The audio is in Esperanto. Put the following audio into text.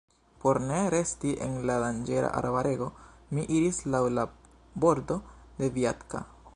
Por ne resti en la danĝera arbarego, mi iris laŭ la bordo de Vjatka.